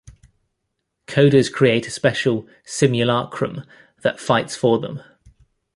Coders create a special "simulacrum" that fights for them.